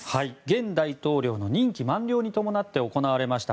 現大統領の任期満了に伴って行われました